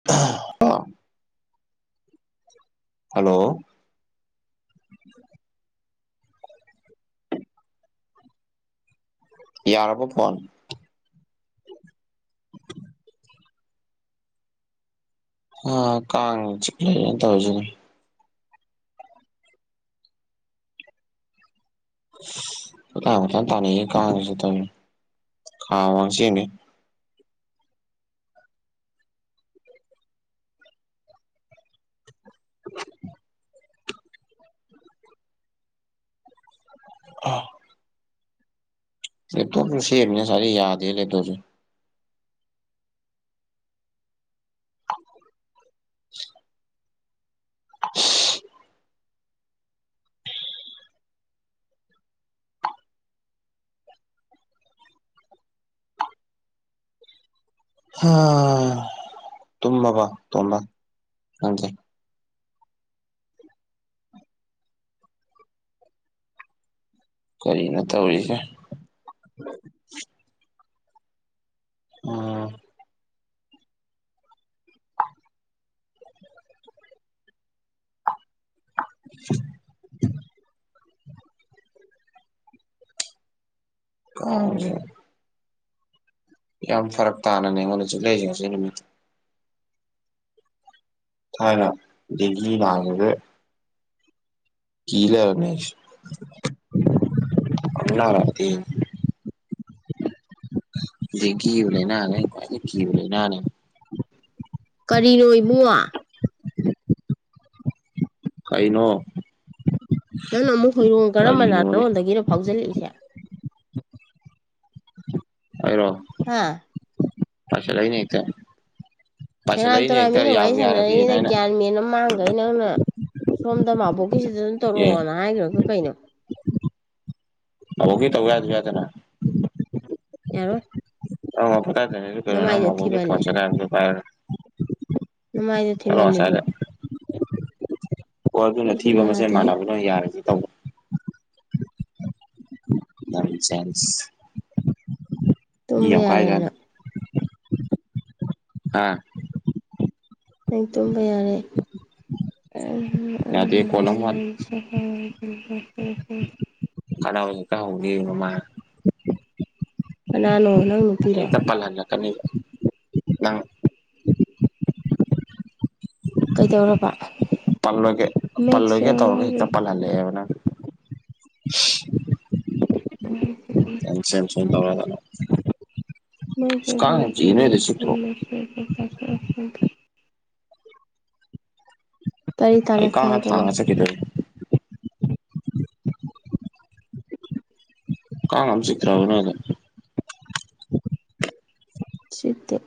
[unintelligible] hello ꯌꯥꯔꯕ phone ꯑ ꯀꯥꯡ ꯆꯤꯛꯑ‌ꯦ ꯑꯩꯅꯥ ꯇꯧꯔꯤꯖꯤꯗꯤ ꯀꫭꯟꯇꯥꯟ ꯀꫭꯟꯇꯥꯟ ꯇꯥꯅꯩꯍ‌ꯦ ꯀꯥꯡꯖꯤꯁꯨ ꯇꯧꯔꯤꯁ‌ꯦ ꯈꯥ ꯑꯋꯥꯡ ꯆ‌ꯦꯟꯒꯩ [unintelligible] ꯑꯥ‌ ꯂꯦꯇꯣꯞꯁꯨ ꯁꯦꯃꯤꯅꯤ ꯉꯁꯥꯏꯗꯩ ꯌꯥꯗꯦ ꯂ‌ꯦꯇꯣꯞꯁꯨ [unintelligible] [unintelligible] ꯍꯥ ꯇꯝꯃꯕꫭ ꯇꫭꯝꯕ ꯅꯪꯗꯤ ꯀꯔꯤꯅꯣ ꯇꯧꯔꯤꯁ‌ꯦ ꯎꯝ [unintelligible] ꯀꯥꯡꯖ‌ꯦ ꯌꯥꯝ ꯐꯔꯛ ꯇꯥꯅꯅꯦ ꯑꯩꯉꯣꯟꯗ ꯆꯤꯡꯂꯛꯏꯁ‌ꯦ ꯉꯁꯤ ꯅꯨꯃꯤꯠꯁ‌ꯦ ꯊꯥꯏꯅ ꯗꯦꯡꯒꯤ ꯅꯥꯕꯒꯤ ꯀꯤ ꯂꯩꯔꯕꯅꯤ ꯑꯩꯁ‌ꯦ ꯑꯃꯨꯛ ꯅꯔꯛꯑꯗꯤꯅꯥ ꯗ‌ꯦꯡꯒꯤꯕ ꯂꯩꯅꯖ‌ꯦ ꯑꯩꯅꯥ ꯈꯨꯋꯥꯏ ꯀꯤꯕ ꯂꯩꯅꯥꯅ‌ꯦ ꯀꯔꯤꯅꯣ ꯏꯕꯨꯡꯉꫭ ꯀꯩꯅꯣ ꯅꯪꯅ ꯑꯃꯨꯛ ꯍꯣꯏꯔꯣꯡ ꯀꯔꯝꯕ ꯀꯔꯤꯅꯣꯅꯦ ꯂꯥꯇꫭꯟꯗꯒꯤꯅꯣ ꯐꯥꯎꯖꯤꯜꯂꯛꯏꯁꯦ ꯑꯩꯔꫭ ꯍꯥꯥ ꯄꯥꯏꯁꯜꯂꯏꯅ‌ꯦ ꯍ‌ꯦꯛꯇꯥ ꯁꯦꯔꯥꯟ ꯇꯨꯔꯥꯟ ꯃꯤꯅ ꯋꯥꯔꯤ ꯁꯥꯟꯅꯔꯤꯁꯤꯗ ꯒ꯭ꯌꯥꯟ ꯃꯦꯟ ꯑꯃ ꯃꯥꯡꯈꯩ ꯅꯪꯅ ꯁꯣꯝꯗ ꯃꯥꯕꯨꯛ ꯀꯁꯤꯗ ꯑꯗꯨꯝ ꯑꯦ ꯇꯧꯔꯛꯑꯣꯅ ꯍꯥꯏꯈ꯭ꯔꯒꯥ ꯀꯩꯅꯣ ꯇꯃꫭꯒꯤ ꯇꯧ ꯌꯥꯖꯨ ꯌꯥꯗꯅ ꯌꯥꯔꯣꯏ ꯑꯃꯨꯛ ꯃꯨꯛ ꯄꫭꯊꯥꯔ ꯇꯩꯅꯤ ꯑꯩꯖꯨ ꯀꯩꯅꫭꯅꯥ ꯅꯃꯥꯏꯗꯣ ꯃꯕꫭꯛꯀꯤ ꯊꯤꯃꯜꯂꯦ ꯐꫭꯟ ꯆꯠꯂ‌ꯦ ꯍꯥꯏꯕꯒꯤ ꯄꯥꯏꯔꯒꯥ ꯅꯃꯥꯏꯗꯨ ꯊꯤꯃꯜꯂꯤꯕꯨ ꯑꫭ ꯑꯗꯨꯅ ꯁꯤꯁꯨ ꯊꯤꯕ ꯃꯁꯦꯜ ꯌꯥꯗꯦꯍꯦ ꯃꯥꯟꯅꯕꯅꯣꯏ ꯌꯥꯔꯁꯤ ꯇꯧꯕ ꯅ‌ꯦꯟ ꯁ‌ꯦꯟꯁ ꯇꯨꯝꯕ ꯌꯥꯔꯦ ꯅꯪ ꯍꯥ ꯑꯩ ꯇꯨꯝꯕ ꯌꯥꯔꯦ [unintelligible] ꯌꯥꯗꯦ ꯎꯝ ꯀꯣꯜ ꯑꯃ ꯋꯥꯠ ꯎ ꯎ ꯎꯝ [unintelligible] ꯈꯠꯅꯕꯥ ꯍ‌ꯦꯛꯇꯥ ꯍꯧꯅ‌ꯦꯌ‌ꯦ ꯃꯥꯃꯥꯅꯥ ꯀꯥꯅꯥꯅꯣ ꯅꯪ ꯅꯨꯄꯤꯔꯣ ꯍꯥꯌ‌ꯦꯡ ꯆꯠꯄꯥ ꯍꯜꯂꯛꯀꯗꯕꯅꯤ ꯅꯪ ꯀꯩꯗꯧꯔꯕꯥ ꯄꯜꯂꯣꯏꯒꯦ ꯄꯜꯂꯣꯏꯒꯦ ꯇꯧꯔꯒ ꯍꯦꯛꯇ ꯌꯣꯔ ꯄꯜꯍꯜꯂꯛꯑꯦꯕ ꯅꯪ ꯎꯝ ꯁ‌ꯦꯡꯁꯨꯡ ꯇꯧꯔꯒꯥ ꯃ ꯀꯌꯥꯁꯤ ꯀ [unintelligible] ꯃꯊ ꯆꯤꯛꯇ꯭ꯔꯣ ꯃ ꯁꯦꯔ ꯇ ꯐꯔ ꯐ [unintelligible] ꯀꯔꯤ ꯑꯩ ꯇꯥꯟꯅꯁꯦ ꯀꯥꯡꯅꯥ ꯍꯥꯏꯕꯅꯣ ꯊꯥꯡꯉꯥ ꯆꯠꯈꯤꯗꫭꯔ‌ꯦ ꯀꯥꯡ ꯌꯥꯝ ꯆꯤꯛꯇꯔꯥꯕ ꯅꫭꯏ ꯑꯗꯥ ꯆꯤꯛꯇ‌ꯦ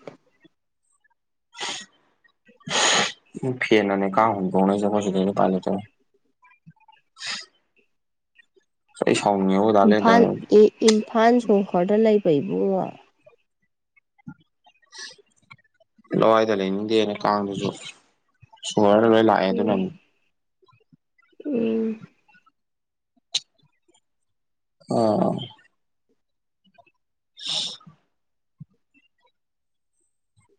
ꯎꯝ ꯐꯦꯟꯅꯅꯦ ꯀꯥꯡ ꯍꯨꯝꯗꯣꯡꯅꯩ [unintelligible] ꯎꯄꯥꯏ‌ꯂꯩꯇꯦ ꯑꯩ ꯁꯥꯎꯅꯤꯑꯣꯏ ꯏꯝꯐꯥꯜ ꯑ ꯏꯝꯐꯥꯜ ꯁꯣꯍꯣꯔꯗ ꯏꯕꯨꯡꯉꯣ ꯂꯋꯥꯏꯗ ꯂꯩꯅꯤꯡꯗꯦꯅꯦ ꯀꯥꯡꯗꯨꯁꯨ ꯁꯣꯍꯣꯔꯗ‌ ꯂꯣꯏ ꯂꯥꯛꯑꯦ ꯑꯗꯨꯅꯅꯤ ꯎꯝ ꯎꯝ ꯑꯥ [unintelligible]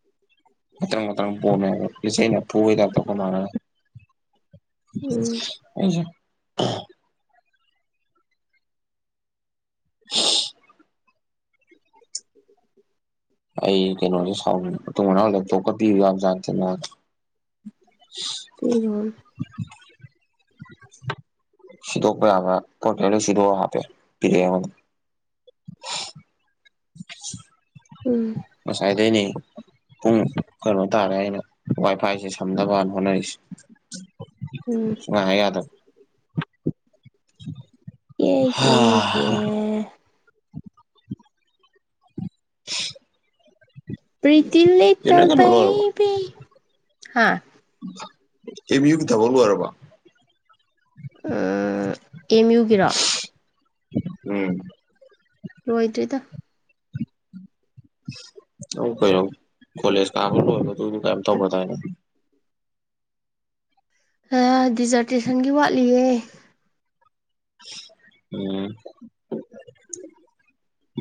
[inaudible] ꯃꯇꯪ ꯃꯇꯔꯪ ꯄꯣꯝꯃꯦ ꯂꯤꯆꯩꯅ ꯐꯨꯕꯩ ꯇꯥꯏꯇ ꯑꯣꯅꯔꯒ ꯎꯝ ꯑꯩꯖꯦ [unintelligible] ꯑꯩ ꯀꯩꯅꯣꯅꯦ ꯁꯥꯎꯅꯤꯡ ꯃꯇꯨꯡ ꯃꯅꯥꯎ ꯂꯦꯞꯇꯣꯞ ꯀ ꯄꯤꯌꯨ ꯌꯥꯕ ꯖꯥꯠ ꯅꯠꯇꯦ ꯅꯪꯉꯣꯟ‌ ꯄꯤꯔꯣꯔꯅꯨ [unintelligible] ꯁꯤꯗꯣꯛꯄ ꯌꯥꯕ ꯄꯣꯠꯀꯩ ꯁꯤꯗꯣꯛꯑ ꯍꯥꯞꯄꯛꯑꯑꯦ ꯄꯤꯔꯛꯑꯦ ꯑꯩꯉꯦꯟꯗ ꯎꯝ ꯉꯁꯥꯏꯗꯩꯅꯦ ꯄꯨꯡ ꯀꯩꯅꯣ ꯇꯥꯔꯦ ꯑꯩꯅ ꯋꯥꯏ ꯐꯥꯏꯖꯦ ꯁꯝꯅꯕꯅ ꯍꯣꯠꯅꯔꯤꯁꯦ ꯎꯝ ꯅꯪ ꯍꯥꯏ ꯌꯥꯗ ꯌꯦ ꯌꯦ ꯌꯦ ꯍꯥ [unintelligible] ꯄꯔꯤꯇ ꯆꯦ ꯂꯤꯇꯜ ꯅꯣꯏ ꯀꯩꯅꯣ ꯕꯦꯕꯤ ꯍꯥ ꯑꯦꯝꯌꯨ ꯒꯤ ꯊꯕꯛ ꯂꯣꯏꯔꯕ ꯎꯝ ꯑꯦꯝꯌꯨꯒꯤꯔꯣ ꯎꯝ ꯑꯣꯏꯗ꯭ꯔꯤꯗ ꯇꯧ ꯀꯩꯅꯣ ꯀꯣꯂꯦꯁ ꯀꯥꯕ ꯂꯣꯏꯕꯗꯨꯝ ꯀꯩꯌꯤꯝ ꯇꯧꯒꯗꯥꯏꯅꯦ ꯍꯥ ꯗꯤꯖꯥꯔꯇꯦꯁꯟꯒꯤ ꯋꯥꯠꯂꯤꯌꯦ ꯎꯝ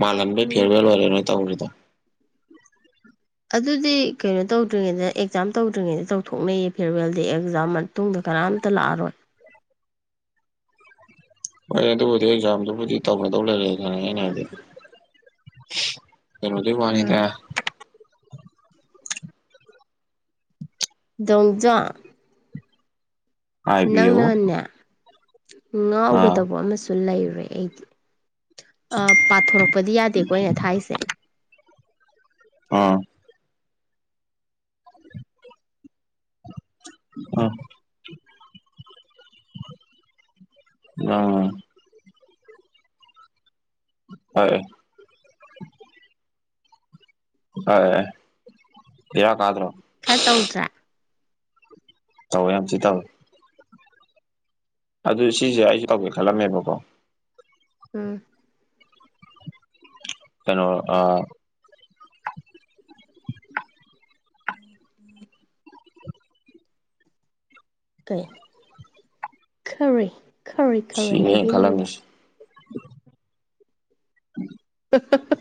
ꯃꯥꯜꯍꯟꯕ ꯎꯝ ꯐꯤꯌꯔꯋꯦꯜ ꯑꯣꯏꯔꯦ ꯅꯣꯏ ꯇꯧꯔꯤꯗꯣ ꯑꯗꯨꯗꯤ ꯀꯩꯅꯣ ꯇꯧꯗ꯭ꯔꯤꯉꯩꯗ ꯑꯦꯛꯖꯥꯝ ꯇꯧꯗ꯭ꯔꯤꯉꯩꯗ ꯇꯧꯊꯣꯛꯅꯩꯌꯦ ꯐꯦꯔꯋꯦꯜꯗ ꯑꯦꯛꯖꯥꯝ ꯇꯨꯡꯗ ꯀꯅꯥꯝꯇ ꯂꯥꯛꯑꯔꯣꯏ ꯍꯣꯏ ꯑꯗꯨꯕꯨꯗꯤ ꯑꯦꯛꯖꯥꯝꯗꯨꯕꯨꯗꯤ ꯇꯧꯅꯗꯧ ꯂꯩꯔꯦꯅ ꯑꯩꯅ ꯍꯥꯏꯗꯤ ꯀꯅꯣꯗꯧ ꯑꯥ ꯋꯥꯅꯤꯗ ꯗꯣꯝꯆꯥ ꯍꯥꯏꯕꯤꯌꯨ ꯅꯪꯅꯅꯦ ꯑꯥ ꯉꯥꯎꯒꯗꯕ ꯑꯃꯁꯨ ꯂꯩꯔꯦ ꯑꯩꯗꯤ ꯑꯥ ꯄꯥꯊꯣꯔꯛꯄꯗꯤ ꯌꯥꯗꯦꯀꯣ ꯑꯩꯅ ꯊꯥꯏꯁꯦ ꯎꯝ ꯎꯝ ꯎꯝ ꯍꯣꯏ ꯍꯥꯑꯦ ꯕꯦꯔꯥ ꯀꯗ꯭ꯔꯣ ꯈꯔ ꯇꯧꯗ꯭ꯔꯥ ꯇꯧꯌꯦ ꯌꯥꯝ ꯊꯤ ꯇꯧ ꯑꯗꯨ ꯁꯤꯖꯦ ꯑꯩꯁꯨ ꯇꯧꯒꯦ ꯈꯜꯂꯝꯃꯦꯕꯀꯣ ꯎꯝ ꯀꯩꯅꯣ ꯑ ꯎꯝ ꯎꯝ ꯀꯩ ꯈꯔꯤ ꯈꯔꯤ ꯈꯔꯤ ꯁꯤꯅꯦ ꯑꯩꯅ ꯍꯥꯏꯕꯤꯅꯤꯡꯕ ꯈꯜꯂꯝꯃꯤꯁꯦ [unintelligible]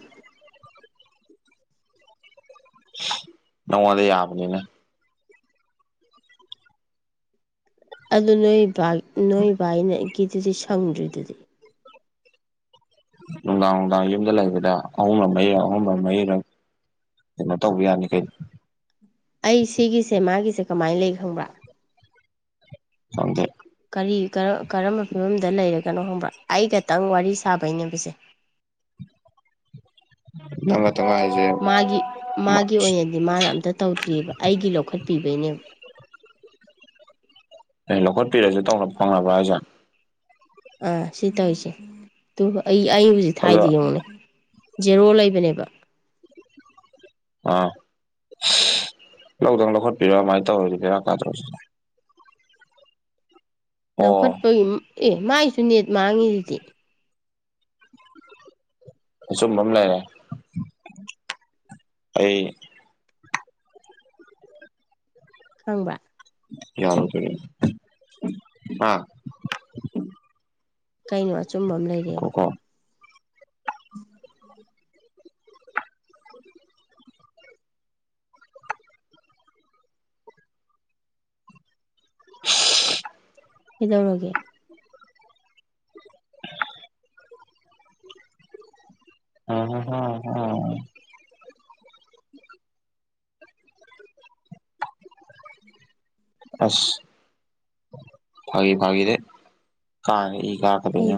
ꯅꯉꯣꯟꯗ ꯌꯥꯕꯅꯤꯅ ꯑꯗꯨ ꯅꯣꯏ ꯅꯣꯏ ꯕꯥꯏꯅꯒꯤꯗꯨꯗꯤ [unintelligible] ꯁꯪꯗ꯭ꯔꯤꯗꯨꯗꯤ ꯅꯨꯡꯗꯥꯡ ꯅꯨꯡꯗꯥꯡ ꯌꯨꯝꯗ ꯂꯩꯕꯗ ꯑꯍꯨꯝꯕ ꯃꯔꯤꯔꯛ ꯑꯍꯨꯝꯕ ꯃꯔꯤꯔꯛ ꯀꯩꯅꯣ ꯇꯧꯕ ꯌꯥꯅꯤ ꯀꯩꯅꯣ ꯑꯩ ꯁꯤꯒꯤꯁꯦ ꯃꯥꯒꯤꯁꯦ ꯀꯃꯥꯏꯅ ꯂꯩ ꯈꯕ꯭ꯔꯥ ꯐꯪꯗꯦ ꯀꯔꯤ ꯀꯔꯝ ꯀꯔꯝꯕ ꯐꯤꯕꯝꯗ ꯂꯩꯔꯒꯅꯣ ꯍꯪꯕ꯭ꯔꯥ ꯑꯩꯒꯇꯪ ꯋꯥꯔꯤ ꯁꯥꯕꯩꯅꯦꯕꯥ ꯁꯦ ꯅꯪ ꯈꯛꯇꯪ ꯍꯥꯏꯖꯦ ꯃꯥꯒꯤ ꯃꯥꯒꯤ ꯑꯣꯏꯅꯗꯤ ꯃꯥꯅ ꯑꯝꯇ ꯇꯧꯗ꯭ꯔꯤꯑꯕ ꯑꯩꯒꯤ ꯂꯧꯈꯠꯄꯤꯕꯩꯅꯦꯕ ꯑꯦ ꯂꯧꯈꯠꯄꯤꯔꯁꯨ ꯇꯧꯅꯥ ꯐꯪꯅꯥꯕ꯭ꯔꯥ ꯍꯥꯏꯁꯦ ꯑꯥ ꯁꯤ ꯇꯧꯔꯤꯁꯦ ꯑꯩ ꯑꯩ ꯍꯧꯖꯤꯛ ꯑꯗꯣ ꯊꯥꯏꯁꯤ ꯌꯦꯡꯉꯨꯅꯩ ꯖꯦꯔꯣ ꯂꯩꯕꯅꯦꯕ ꯑꯥ ꯂꯧꯗꯪ ꯂꯧꯈꯠꯄꯤꯔꯥ ꯑꯗꯨꯃꯥꯏ ꯇꯧꯔꯗꯤ ꯕꯦꯔꯥ ꯀꯥꯗ꯭ꯔꯣ ꯑꯣ ꯂꯧꯈꯠꯄꯒꯤ ꯑꯦ ꯃꯒꯤꯁꯨ ꯅꯦꯠ ꯃꯥꯡꯉꯤꯁꯤꯗꯤ ꯑꯆꯨꯝꯕ ꯑꯃ ꯂꯩꯔꯦ ꯑꯩ ꯈꯪꯕ꯭ꯔꯥ ꯌꯥꯎꯔꯥ [unintelligible] ꯀꯩꯅꯣ ꯑꯆꯨꯝꯕ ꯑꯃ ꯂꯩꯔꯦꯕꯨ ꯀꯣꯀꯣ [inaudible] [unintelligible] [unintelligible] ꯀꯩꯗꯧꯔꯒꯦ [unintelligible] ꯎ ꯍꯝ ꯎꯝ [unintelligible] ꯑꯁ ꯐꯒꯤ ꯐꯥꯒꯤ ꯗꯒꯤ ꯀꯥ ꯏ [unintelligible] ꯀꯩ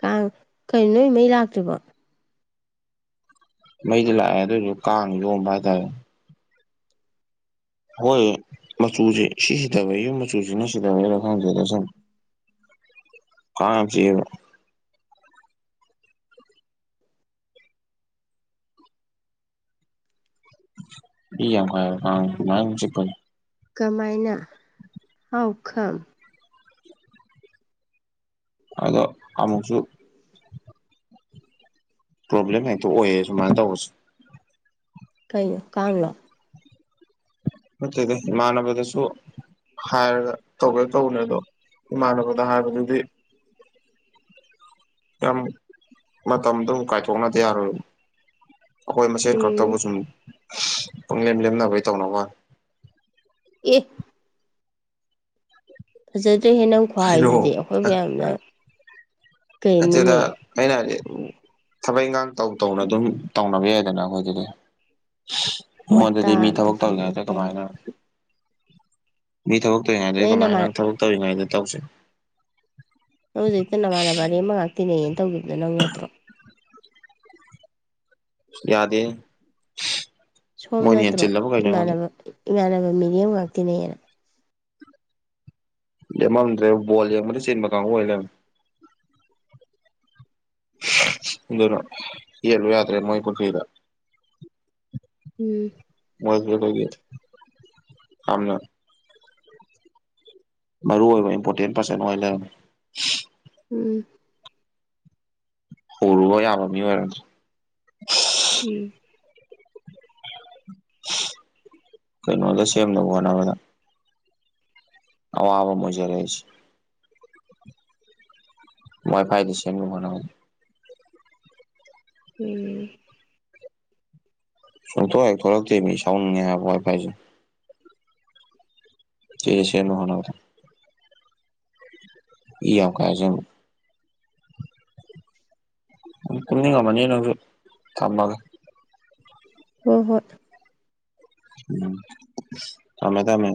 ꯀꯥꯡ ꯀꯔꯤ ꯅꯣꯏ ꯃꯩ ꯂꯥꯛꯇ꯭ꯔꯤꯕꯣ ꯃꯩꯗꯤ ꯂꯥꯛꯑꯦ ꯑꯗꯨꯏꯁꯨ ꯀꯥꯡꯅꯥ ꯌꯣꯝꯕ ꯍꯥꯏꯇꯥꯔꯦ ꯍꯣꯏ ꯃꯆꯨꯁꯦ ꯁꯤ ꯁꯤꯊꯕꯒꯤ ꯌꯨꯝ ꯃꯆꯨꯁꯤꯅ ꯁꯤꯊꯕꯩꯔ ꯈꯪꯗꯦꯗ ꯁꯪ ꯀꯥꯡ ꯌꯥꯝ ꯆꯤꯛꯑꯦꯕꯥ ꯏ ꯌꯥꯝ ꯀꯌꯦꯕꯥ [unintelligible] ꯑꯗꯨꯃꯥꯏꯟ ꯀꯃꯥꯏꯅ ꯍꯥꯎ ꯀꯝ ꯑꯗꯣ ꯑꯃꯨꯛꯁꯨ ꯄ꯭ꯔꯣꯕ꯭ꯂꯦꯝ ꯍꯦꯛꯇ ꯑꯣꯏꯌꯦ ꯁꯨꯃꯥꯏ ꯇꯧꯕꯁꯦ ꯀꯩꯅꯣ ꯀꯥꯡꯂꯣ ꯅꯇꯔ꯭ꯒ ꯏꯃꯥꯅꯕꯗꯁꯨ ꯍꯥꯏꯔꯒ ꯇꯧꯒꯦ ꯇꯧꯅꯦ ꯑꯗꯣ ꯏꯃꯥꯟꯅꯕꯗ ꯍꯥꯏꯕꯗꯨꯗꯤ ꯌꯥꯝ ꯃꯇꯝꯗꯣ ꯀꯥꯏꯊꯣꯛꯅꯗ ꯌꯥꯔꯣꯏꯕꯥ ꯑꯩꯈꯣꯏ ꯃꯁꯦꯟ ꯈꯛꯇꯕꯨ ꯎꯝ ꯁꯨꯝ ꯄꯪꯂꯦꯝ ꯂꯦꯝꯅꯕꯩ ꯇꯧꯅꯕꯩ ꯋꯥꯅꯦ ꯑꯦ ꯐꯖꯗ꯭ꯔꯦꯍꯦ ꯅꯪ ꯀꯩꯅꯣ ꯈꯨꯍꯥꯏꯗꯨꯗꯤ ꯑꯩꯈꯣꯏꯕꯨ ꯌꯥꯝꯅ ꯅꯠꯇꯦꯗ ꯀꯩꯅꯣꯅꯦ ꯑꯩꯅ ꯍꯥꯏꯗꯤ ꯊꯕꯛ ꯏꯟꯒꯥꯡ ꯇꯧ ꯇꯧꯅ ꯑꯗꯨꯝ ꯇꯧꯅꯕ ꯌꯥꯏꯗꯅ ꯑꯩꯈꯣꯏꯗꯗꯤ ꯋꯥꯇꯥ ꯃꯣꯏꯗꯗꯤ ꯃꯤ ꯑꯃ ꯊꯕꯛ ꯇꯧꯁꯜꯂꯛꯑꯦ ꯇꯧꯔꯤꯉꯩꯗ ꯇꯜꯂꯦ ꯀꯃꯥꯏꯅ ꯃꯤ ꯊꯕꯛ ꯇꯧꯏꯉꯩꯗ ꯑꯩ ꯅꯣꯏ ꯀꯃꯥꯏꯅ ꯅꯃꯥꯟ ꯅꯪ ꯊꯕꯛ ꯇꯧꯔꯤꯉꯩꯗ ꯇꯧꯁꯦ ꯅꯪ ꯍꯧꯖꯤꯛꯇ ꯅꯃꯥꯟꯅꯕ ꯑꯅꯦꯝꯕ ꯉꯥꯛ ꯇꯤꯟꯅꯩꯌꯦꯅ ꯇꯧꯒꯤꯕꯗꯣ ꯅꯪ ꯅꯠꯇ꯭ꯔꯣ ꯌꯥꯗꯦ ꯁꯣꯝ ꯃꯣꯏꯅ ꯍꯦꯟ ꯅꯠꯇ꯭ꯔꯣ ꯆꯤꯜꯂꯕ ꯀꯩꯅꯣ ꯑꯩꯉꯣꯟꯗ ꯏꯃꯥꯟꯅꯕ ꯏꯃꯥꯟꯅꯕ ꯃꯤꯔꯦꯝ ꯉꯥꯛ ꯇꯤꯅꯩꯅ ꯂꯦꯝꯃꯝꯗ꯭ꯔꯦ ꯕꯣꯜ ꯌꯦꯡꯕꯗ ꯆꯤꯟꯕ ꯀꯥꯡꯕꯨ ꯑꯣꯏ ꯂꯩꯔꯝꯃꯦ ꯑꯗꯨꯅ ꯌꯦꯠꯂꯨ ꯌꯥꯗ꯭ꯔꯦ ꯃꯣꯏ ꯄꯨꯈ꯭ꯔꯤꯗ ꯎꯝ ꯃꯣꯏꯒꯤꯗꯨꯒꯤ ꯌꯥꯝꯅ ꯃꯔꯨꯑꯣꯏꯕ ꯏꯝꯄꯣꯔꯇꯦꯟ ꯄꯥꯔꯁꯟ ꯑꯣꯏ ꯂꯩꯔꯝꯃꯦ ꯎꯝ ꯍꯧꯔꯨꯕ ꯌꯥꯕ ꯃꯤ ꯑꯣꯏꯔꯝꯗ꯭ꯔꯦ ꯎꯝ ꯀꯩꯅꯣꯗ ꯁꯦꯝꯅꯕ ꯍꯣꯠꯅꯕꯗ ꯑꯋꯥꯕ ꯑꯃ ꯑꯣꯏꯖꯔꯦ ꯑꯩꯁꯦ ꯋꯥꯏ ꯐꯥꯏꯗ ꯁꯦꯝꯅꯕ ꯍꯣꯠꯅꯕꯗ ꯎꯝ ꯁꯨꯡꯊꯣꯛ ꯍꯦꯛ ꯊꯣꯛꯂꯛꯇꯦ ꯃꯤ ꯁꯥꯎꯅꯤꯡꯉꯦ ꯍꯥꯏꯕ ꯋꯥꯏꯐꯥꯏꯁꯦ [inaudible] ꯁꯤꯗ ꯁꯦꯝꯅꯕ ꯍꯣꯠꯅꯕꯗ ꯏ ꯌꯥꯝ ꯀꯥꯖꯕ ꯅꯪ ꯇꯨꯝꯅꯤꯡꯉꯝꯃꯅꯤ ꯅꯪꯖꯨ ꯊꯝꯃꯒꯦ ꯍꯣꯏ ꯍꯣꯏ ꯎꯝ ꯊꯝꯃꯦ ꯊꯝꯃꯦ